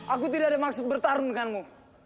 aku tidak ada maksud bertarung denganmu